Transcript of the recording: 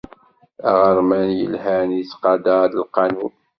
Aɣerman yelhan yettqadar lqanun.